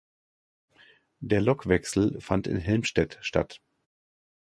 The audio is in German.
Der Lokwechsel fand in Helmstedt statt.